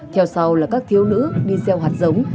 theo sau là các thiếu nữ đi gieo hạt giống